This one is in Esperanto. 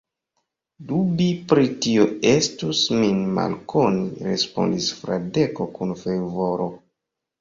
Dubi pri tio estus min malkoni, respondis Fradeko kun fervoro.